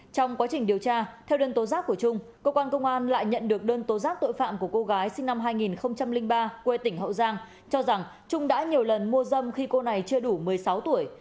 trong quá trình điều tra theo đơn tố giác của trung cơ quan công an lại nhận được đơn tố giác tội phạm của cô gái sinh năm hai nghìn ba quê tỉnh hậu giang cho rằng trung đã nhiều lần mua dâm khi cô này chưa đủ một mươi sáu tuổi